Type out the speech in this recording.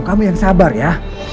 kamu yang sabar ya